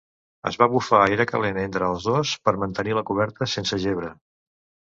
Es va bufar aire calent entre els dos per mantenir la coberta sense gebre.